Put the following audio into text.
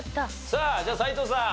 さあじゃあ斎藤さん。